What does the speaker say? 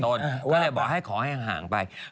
ก็เลยบอกให้ขอให้ห่างไป